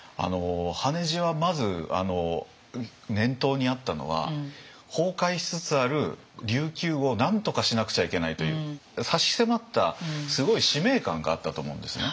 羽地はまず念頭にあったのは崩壊しつつある琉球をなんとかしなくちゃいけないという差し迫ったすごい使命感があったと思うんですね。